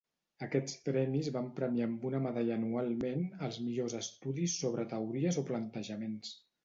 Aquests premis van premiar amb una medalla anualment els millors estudis sobre teories o plantejaments.